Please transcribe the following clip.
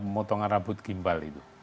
motongan rambut gimbal itu